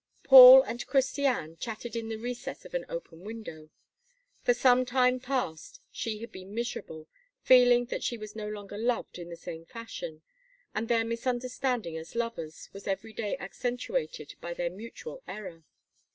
Paul and Christiane chatted in the recess of an open window. For some time past she had been miserable, feeling that she was no longer loved in the same fashion; and their misunderstanding as lovers was every day accentuated by their mutual error.